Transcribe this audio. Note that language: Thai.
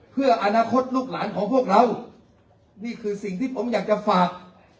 เพื่ออนาคตลูกหลานของพวกเรานี่คือสิ่งที่ผมอยากจะฝาก